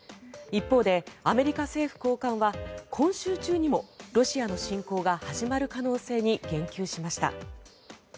一方で、アメリカ政府高官は今週中にもロシアの侵攻が始まる可能性に言及しました。